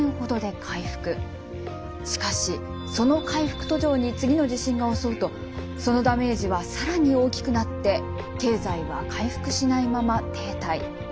しかしその回復途上に次の地震が襲うとそのダメージは更に大きくなって経済は回復しないまま停滞。